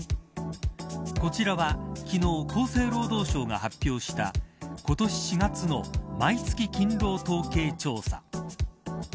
こちらは、昨日厚生労働省が発表した今年４月の毎月勤労統計調査。